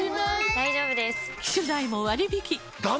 大丈夫です！